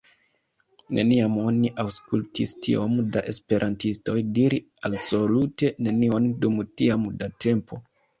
Neniam oni aŭskultis tiom da esperantistoj diri alsolute nenion dum tiam da tempo.